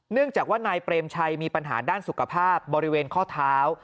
เนื่องจากว่านายเปรมชัยมีปัญหาด้านสุขภาพบริเวณข้อเท้า